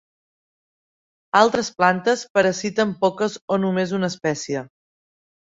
Altres plantes parasiten poques o només una espècie.